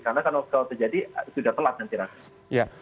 karena kalau terjadi sudah telat nanti rakyat